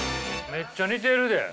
めっちゃ似てる。